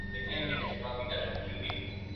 The climate is tropical and humid.